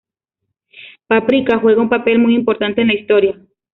Paprika juega un papel muy importante en la historia.